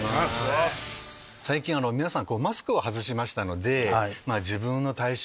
最近皆さんマスクを外しましたので。